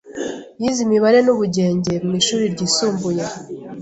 yize imibare n’ubugenge mu ishuri ryisumbuye